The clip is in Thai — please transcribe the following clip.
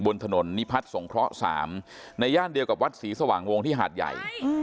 บนถนนนิพัทสงครั้วสามในย่านเดียวกับวัดสีสว่างวงที่หาดใหญ่